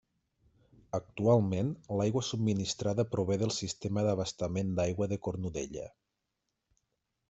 Actualment, l'aigua subministrada prové del sistema d'abastament d'aigua de Cornudella.